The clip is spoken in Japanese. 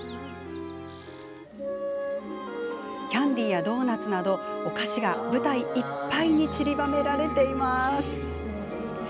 キャンデーやドーナツなどお菓子が舞台いっぱいにちりばめられています。